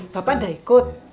bapak udah ikut